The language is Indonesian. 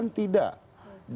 nah jadi kekhawatiran